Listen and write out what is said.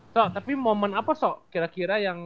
sok tapi momen apa sok kira kira yang